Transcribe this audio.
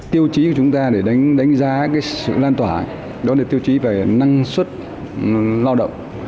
tiêu chí của chúng ta để đánh giá sự lan tỏa đó là tiêu chí về năng suất lao động